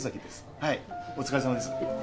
はいお疲れさまです